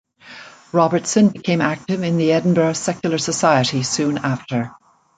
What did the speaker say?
Robertson became active in the Edinburgh Secular Society, soon after.